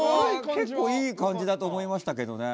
結構いい感じだと思いましたけどね。